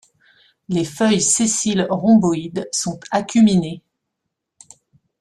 Les feuilles sessiles rhomboïdes sont acuminées.